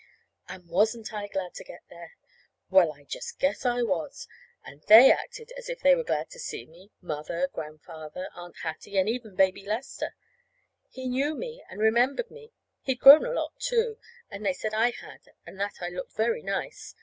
And wasn't I glad to get there? Well, I just guess I was! And they acted as if they were glad to see me Mother, Grandfather, Aunt Hattie, and even Baby Lester. He knew me, and remembered me. He'd grown a lot, too. And they said I had, and that I looked very nice.